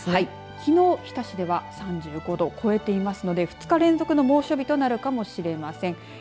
きのう、日田市では３５度を超えているので２日連続の猛暑日となるかもしれません。